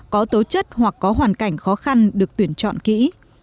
các học sinh có tối tư chất hoặc có hoàn cảnh khó khăn được tuyển chọn kỹ